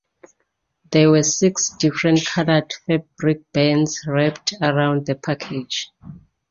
There were six different colored fabric bands wrapped around the package.